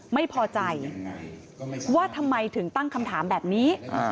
ไม่พอใจว่าทำไมถึงตั้งคำถามแบบนี้